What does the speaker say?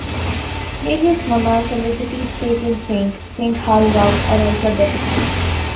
Various monarchs and the city's patron saint, Saint Hallvard are also depicited.